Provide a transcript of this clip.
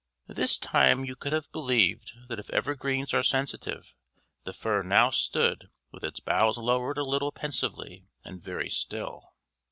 This time you could have believed that if evergreens are sensitive, the fir now stood with its boughs lowered a little pensively and very still.